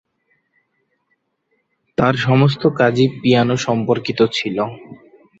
তার সমস্ত কাজই পিয়ানো সম্পর্কিত ছিলো।